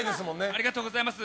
ありがとうございます。